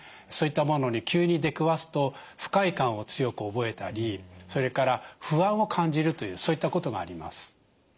そういったものに急に出くわすと不快感を強く覚えたりそれから不安を感じるというそういったことがあります。